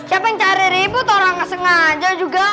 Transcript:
siapa yang cari ribut orang sengaja juga